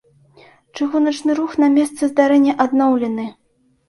Чыгуначны рух на месцы здарэння адноўлены.